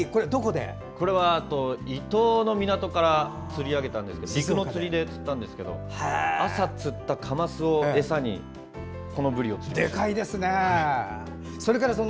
これは伊東の港から釣り上げたんですけど陸の釣りで釣ったんですが朝釣ったカマスを餌にこのブリを釣りました。